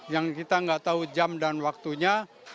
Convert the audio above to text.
yang kita nggak tahu jam dan waktunya